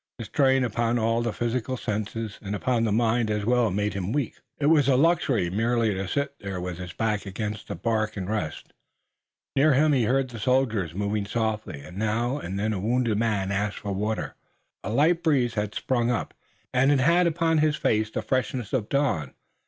The strain upon all the physical senses and upon the mind as well made him weak. It was a luxury merely to sit there with his back against the bark and rest. Near him he heard the soldiers moving softly, and now and then a wounded man asking for water. A light breeze had sprung up, and it had upon his face the freshness of the dawn.